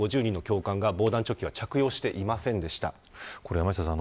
山下さん